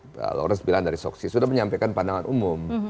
pak laurage bilang dari soksi sudah menyampaikan pandangan umum